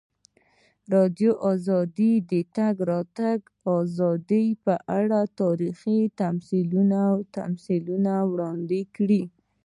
ازادي راډیو د د تګ راتګ ازادي په اړه تاریخي تمثیلونه وړاندې کړي.